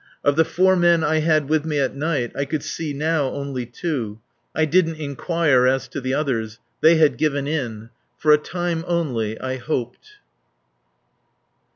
Of the four men I had with me at night, I could see now only two. I didn't inquire as to the others. They had given in. For a time only I hoped.